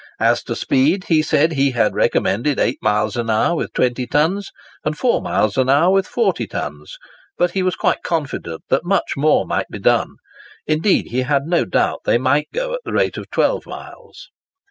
As to speed, he said he had recommended 8 miles an hour with 20 tons, and 4 miles an hour with 40 tons; but he was quite confident that much more might be done. Indeed, he had no doubt they might go at the rate of 12 miles.